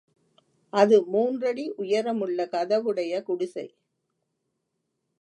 அது மூன்றடி உயர முள்ள கதவுடைய குடிசை.